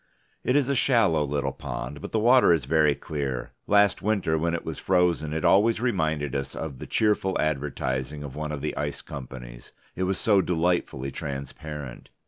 It is a shallow little pond, but the water is very clear; last winter when it was frozen it always reminded us of the cheerful advertising of one of the ice companies, it was so delightfully transparent.